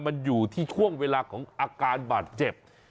มันอยู่ที่ช่วงเวลาของอาการบาดเจ็บ